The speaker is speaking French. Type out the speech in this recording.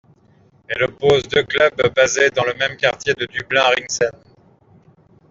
Elle oppose deux clubs basés dans le même quartier de Dublin, Ringsend.